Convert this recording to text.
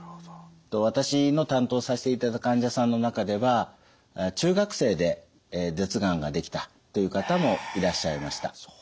私の担当させていただいた患者さんの中では中学生で舌がんができたという方もいらっしゃいました。